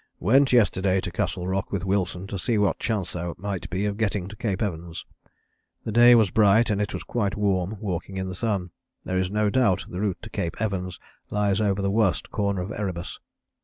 "Went yesterday to Castle Rock with Wilson to see what chance there might be of getting to Cape Evans. The day was bright and it was quite warm walking in the sun. There is no doubt the route to Cape Evans lies over the worst corner of Erebus.